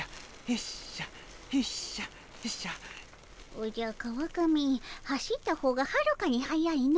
おじゃ川上走った方がはるかに速いの。